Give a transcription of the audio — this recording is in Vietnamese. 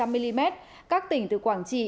bảy trăm linh mm các tỉnh từ quảng trị